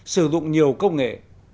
sử dụng nhiều công nghệ